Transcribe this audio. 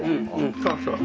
そうそう。